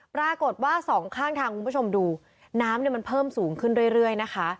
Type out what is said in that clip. ปรากฏว่าสองข้างทางคุณผู้ชมดูน้ำเนี่ยมันเพิ่มสูงขึ้นเรื่อยนะคะ